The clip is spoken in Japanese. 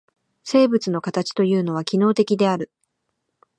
生物の形というのは機能的である。